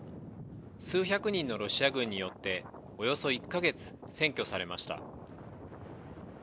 数百人のロシア軍によって、およそ１か月占拠されました。